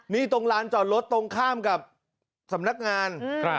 นี่ตรงลานจอดรถตรงข้ามกับสำนักงาน